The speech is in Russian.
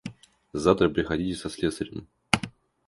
Завтра приходите со слесарем.